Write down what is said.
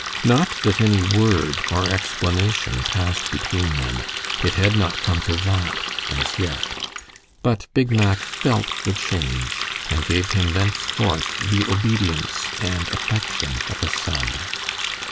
Not that any word or explanation passed between them; it had not come to that as yet; but Big Mack felt the change, and gave him thenceforth the obedience and affection of a son.